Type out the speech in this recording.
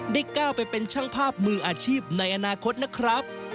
ก้าวไปเป็นช่างภาพมืออาชีพในอนาคตนะครับ